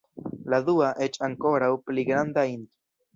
La dua, eĉ ankoraŭ pli granda int.